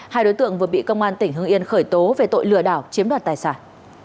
hai đối tượng vừa bị công an tỉnh hưng yên khởi tố về tội lừa đảo chiếm đoạt tài sản